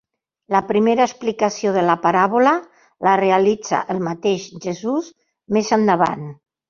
La primera explicació de la paràbola la realitza el mateix Jesús més endavant.